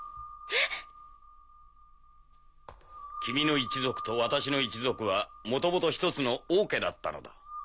えっ⁉君の一族と私の一族はもともと１つの王家だったのだ。